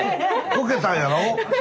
こけたんやろ？